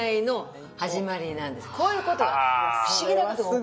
こういうことが不思議なことが起こる。